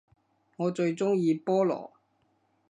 我最鍾意菠蘿